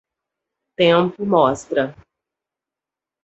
Tempo mostra.